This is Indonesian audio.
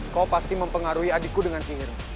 kau pasti mempengaruhi adikku dengan sihir